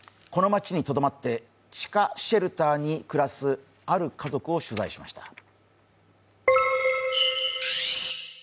この町にとどまって地下シェルターに暮らすある家族を取材しました。